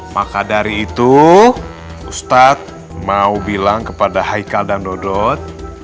maka dari itu ustadz mau bilang kepada haikal dan dodot